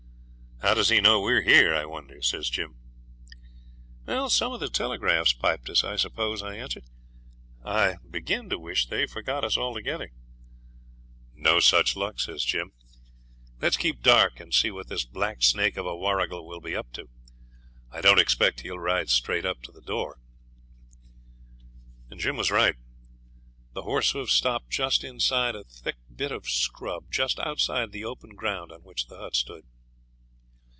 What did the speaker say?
'How does he know we're here, I wonder?' says Jim. 'Some of the telegraphs piped us, I suppose,' I answered. 'I begin to wish they forgot us altogether.' 'No such luck,' says Jim. 'Let's keep dark and see what this black snake of a Warrigal will be up to. I don't expect he'll ride straight up to the door.' He was right. The horse hoofs stopped just inside a thick bit of scrub, just outside the open ground on which the hut stood.